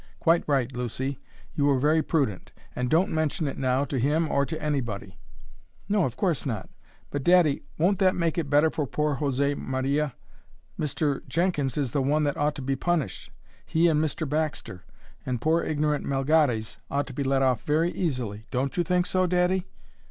"Quite right, Lucy. You were very prudent. And don't mention it now, to him or to anybody." "No, of course not. But, daddy, won't that make it better for poor José Maria? Mr. Jenkins is the one that ought to be punished he and Mr. Baxter; and poor ignorant Melgares ought to be let off very easily. Don't you think so, daddy?"